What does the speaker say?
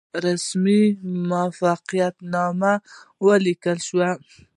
رسمي موافقتنامه ولیکل شوه.